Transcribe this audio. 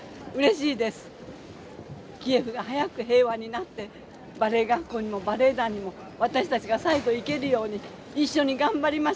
キーウが早く平和になってバレエ学校にもバレエ団にも私たちが再度行けるように一緒に頑張りましょう！